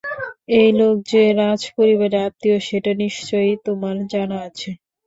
এই লোক যে রাজপরিবারের আত্মীয়, সেটা নিশ্চয়ই তোমার জানা আছে।